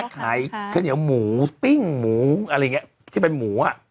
ขายข้าวเหนียวหมูปิ้งหมูอะไรอย่างนี้ที่เป็นหมูอ่ะ